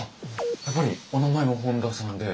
やっぱりお名前も本田さんで。